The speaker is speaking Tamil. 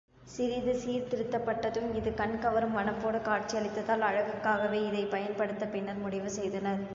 சிறிது சீர்திருத்தப்பட்டதும் இது கண் கவரும் வனப்போடு காட்சியளித்ததால், அழகுக்காகவே இதைப் பயன் படுத்தப் பின்னர் முடிவு செய்தனர்.